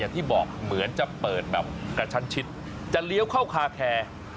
ที่บอกเหมือนจะเปิดแบบกระชั้นชิดจะเลี้ยวเข้าคาแคร์